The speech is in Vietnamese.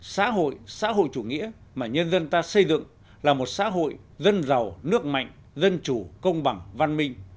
xã hội xã hội chủ nghĩa mà nhân dân ta xây dựng là một xã hội dân giàu nước mạnh dân chủ công bằng văn minh